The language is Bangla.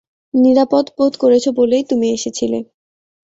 নিরাপদ বোধ করেছ বলেই তুমি এসেছিলে।